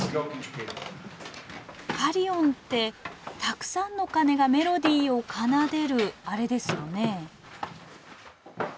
カリヨンってたくさんの鐘がメロディーを奏でるあれですよね？